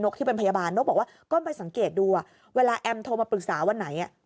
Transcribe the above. ที่เป็นพยาบาลนกบอกว่าก็ไปสังเกตดูเวลาแอมโทรมาปรึกษาวันไหน